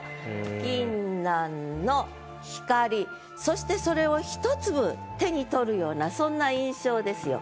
「ぎんなんのひかり」そしてそれを一粒手に取るようなそんな印象ですよ。